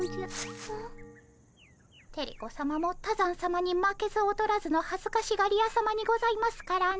テレ子さまも多山さまに負けず劣らずのはずかしがり屋さまにございますからね。